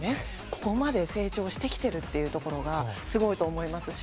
ここまで成長してきてるっていうところがすごいと思いますし。